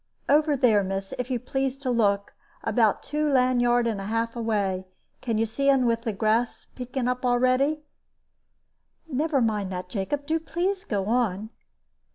Over there, miss, if you please to look about two land yard and a half away. Can you see un with the grass peeking up a'ready?" "Never mind that, Jacob. Do please to go on."